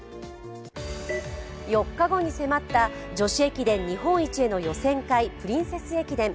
４日後に迫った女子駅伝日本一への予選会・プリンセス駅伝。